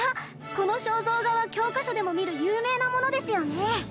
この肖像画は教科書でも見る有名なものですよね。